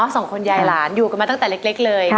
สองคนยายหลานอยู่กันมาตั้งแต่เล็กเลย